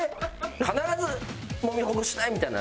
「必ずもみほぐしたい」みたいな。